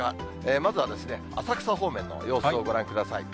まずは浅草方面の様子をご覧ください。